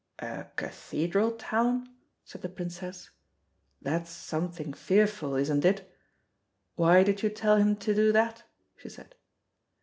"A cathedral town," said the Princess. "That's something fearful, isn't it? Why did you tell him to do that?" she said.